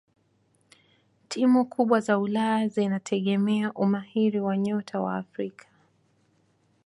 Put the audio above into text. timu kubwa za ulaya zinategemea umahiri wa nyota wa afrika